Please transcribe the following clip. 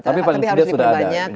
tapi harus diperbanyak